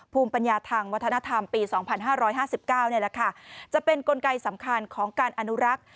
ภูมิปัญญาทางวัฒนธรรมปี๒๕๕๙นี่แหละค่ะจะเป็นกลไกสำคัญของการอนุรักษ์